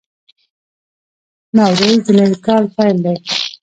نوروز د نوي کال پیل دی.